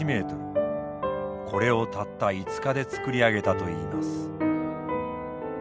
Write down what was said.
これをたった５日で作り上げたといいます。